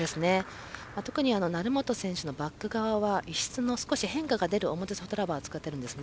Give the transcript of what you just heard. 特に成本選手のバック側は異質の少し変化の出る表ソフトラバーを使ってるんですね。